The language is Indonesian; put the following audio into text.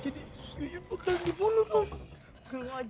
jadi yuyun bakalan dibunuh dong